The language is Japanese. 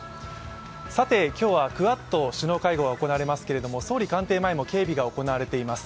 さて、今日はクアッド首脳会合が行われますけれども総理官邸前も警備が行われています。